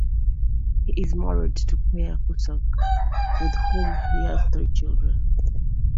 He is married to Claire Cusack with whom he has three children.